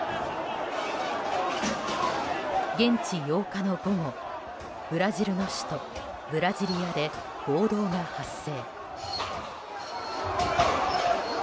現地８日の午後ブラジルの首都ブラジリアで暴動が発生。